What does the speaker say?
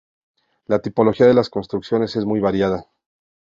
La tipología de las construcciones es muy variada.